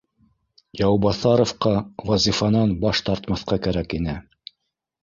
Яубаҫаровҡа вазифанан баш тартмаҫҡа кәрәк ине